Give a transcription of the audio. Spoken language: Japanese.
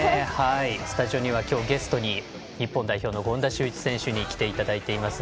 スタジオにはゲストに日本代表、権田修一選手にお越しいただいています。